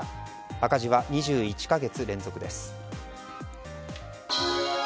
赤字は２１か月連続です。